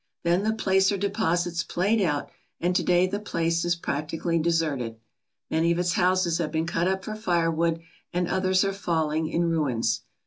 Then the placer deposits played out and to day the place is practically deserted. Many of its houses have been cut up for firewood and others are falling in ruins.